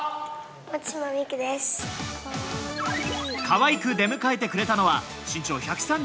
可愛くて出迎えてくれたのは身長１３５ｃｍ